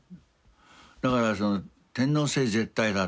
だから天皇制絶対だと。